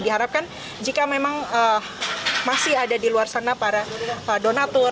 diharapkan jika memang masih ada di luar sana para donatur